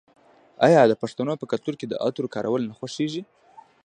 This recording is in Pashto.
آیا د پښتنو په کلتور کې د عطرو کارول نه خوښیږي؟